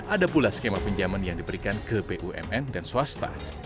ada pula skema pinjaman yang diberikan ke bumn dan swasta